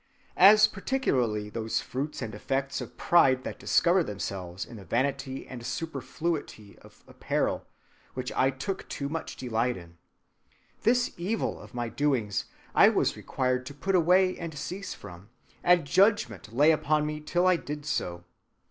"As particularly those fruits and effects of pride that discover themselves in the vanity and superfluity of apparel; which I took too much delight in. This evil of my doings I was required to put away and cease from; and judgment lay upon me till I did so.